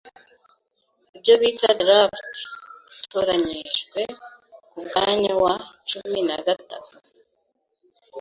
ibyo bita Drafts atoranyijwe ku mwanya wa cumi nagatatu